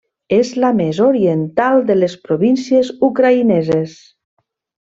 És la més oriental de les províncies ucraïneses.